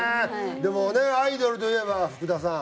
でもねアイドルといえば福田さん。